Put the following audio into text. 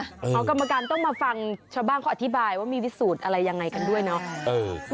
เอากรรมการต้องมาฟังชาวบ้านเขาอธิบายว่ามีวิสูจน์อะไรยังไงกันด้วยเนาะ